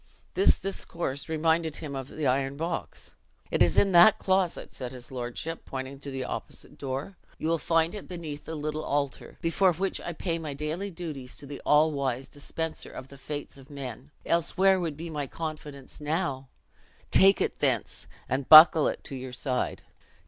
This discourse reminded him of the iron box. 'It is in that closet,' said his lordship, pointing to an opposite door; you will find it beneath the little altar, before which I pay my daily duties to the allwise Dispenser of the fates of men; else where would be my confidence now? Take it thence, and buckle it to your side."